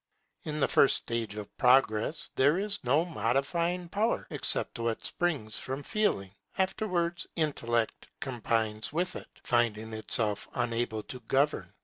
In the first stage of progress, there is no modifying power except what springs from Feeling; afterwards Intellect combines with it, finding itself unable to govern.